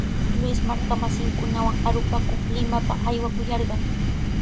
Luis marka masinkunawan arupakuq Limapa aywakuyarqan.